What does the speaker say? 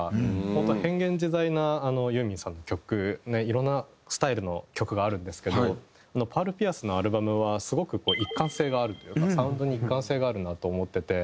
本当変幻自在なユーミンさんの曲いろんなスタイルの曲があるんですけど『ＰＥＡＲＬＰＩＥＲＣＥ』のアルバムはすごくこう一貫性があるというかサウンドに一貫性があるなと思ってて。